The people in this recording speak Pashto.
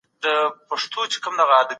دولتونه د نړیوالو منل شویو اصولو درناوی کوي.